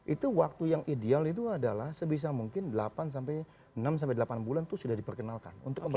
itu waktu yang ideal itu adalah sebisa mungkin delapan enam sampai delapan bulan itu sudah diperkenalkan